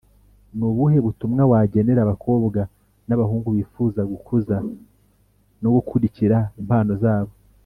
ni ubuhe butumwa wagenera abakobwa n’abahungu bifuza gukuza no gukurikira impano zabo?